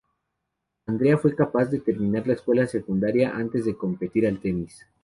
Andrea fue capaz de terminar la escuela secundaria antes de competir al tenis.